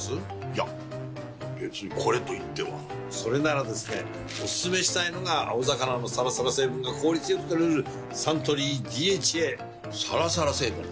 いや別にこれといってはそれならですねおすすめしたいのが青魚のサラサラ成分が効率良く摂れるサントリー「ＤＨＡ」サラサラ成分？